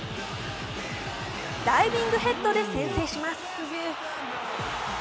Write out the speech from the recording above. ダイビングヘッドで先制します。